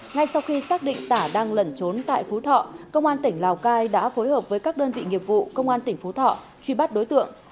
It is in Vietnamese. ngay sau khi xác định tả đang lẩn trốn tại phú thọ công an tỉnh lào cai đã phối hợp với các đơn vị nghiệp vụ công an tỉnh phú thọ truy bắt đối tượng